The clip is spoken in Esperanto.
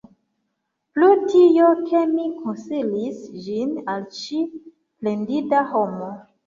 Pro tio, ke mi konsilis ĝin al ci, plendinda homo!